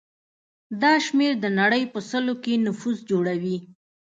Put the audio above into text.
دا شمېر د نړۍ په سلو کې نفوس جوړوي.